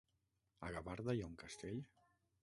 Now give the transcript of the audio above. A Gavarda hi ha un castell?